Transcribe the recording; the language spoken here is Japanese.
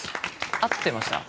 合ってました？